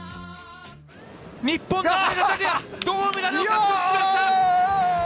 日本の羽根田卓也、銅メダルを獲得しました！